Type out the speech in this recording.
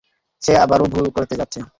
সে আবারও ভুল করতে যাচ্ছে।